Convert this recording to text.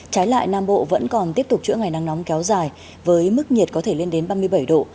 trái lại nam bộ vẫn còn tiếp tục chữa ngày nắng nóng kéo dài với mức nhiệt có thể lên đến ba mươi bảy độ